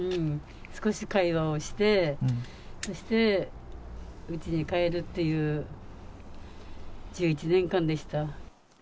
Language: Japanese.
少し会話をして、そして、うちに帰るっていう、１１年間でした。